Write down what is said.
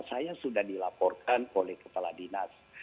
saya sudah dilaporkan oleh kepala dinas